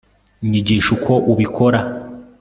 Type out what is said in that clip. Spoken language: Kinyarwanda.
nyigisha uko ubikora